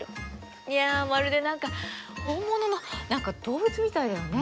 いやまるで何か本物の動物みたいだよね。